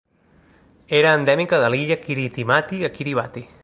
Era endèmica de l'illa Kiritimati a Kiribati.